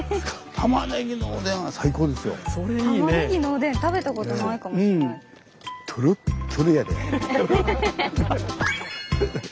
たまねぎのおでん食べたことないかもしれない。